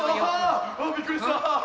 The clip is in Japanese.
ああびっくりした。